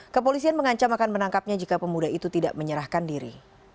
kepolisian mengancam akan menangkapnya jika pemuda itu tidak menyerahkan diri